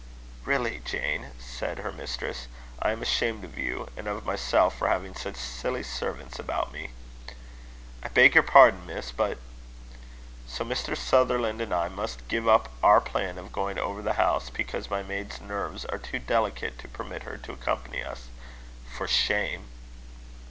"Really, Jane," said her mistress, "I am ashamed of you; and of myself, for having such silly servants about me." "I beg your pardon, Miss, but " "So Mr. Sutherland and I must give up our plan of going over the house, because my maid's nerves are too delicate to permit her to accompany us. For shame!"